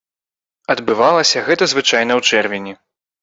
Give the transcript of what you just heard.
Адбывалася гэта звычайна ў чэрвені.